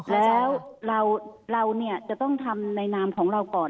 แล้วเราจะต้องทำในนามของเราก่อน